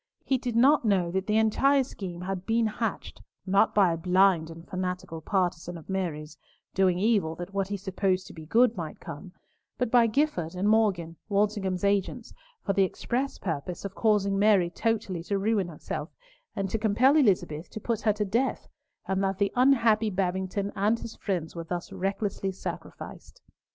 He did not know that the entire scheme had been hatched, not by a blind and fanatical partisan of Mary's, doing evil that what he supposed to be good, might come, but by Gifford and Morgan, Walsingham's agents, for the express purpose of causing Mary totally to ruin herself, and to compel Elizabeth to put her to death, and that the unhappy Babington and his friends were thus recklessly sacrificed.